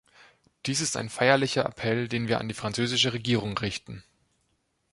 Dies ist ein feierlicher Appell, den wir an die französische Regierung richten.